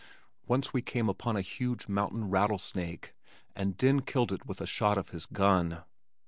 Once we came upon a huge mountain rattlesnake and Den killed it with a shot of his gun.